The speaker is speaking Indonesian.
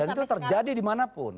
dan itu terjadi dimanapun